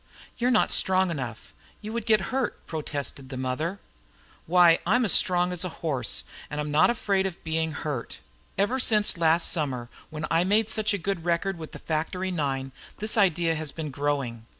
"You're not strong enough; you would get hurt," protested the mother. "Why, I'm as strong as a horse. I'm not afraid of being hurt. Ever since last summer when I made such a good record with the factory nine this idea has been growing.